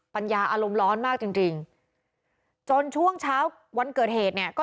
ปัญญาอารมณ์ร้อนมากจริงจริงจนช่วงเช้าวันเกิดเหตุเนี่ยก็